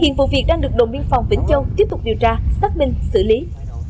hiện vụ việc đang được đồn biên phòng vĩnh châu tiếp tục điều tra xác minh xử lý